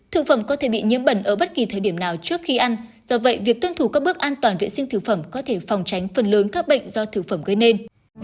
thực phẩm có thể bị nhiễm bẩn ở bất kỳ thời điểm nào trước khi ăn do vậy việc tuân thủ các bước an toàn vệ sinh thực phẩm có thể phòng tránh phần lớn các bệnh do thực phẩm gây nên